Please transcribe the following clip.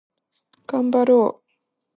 がんばろう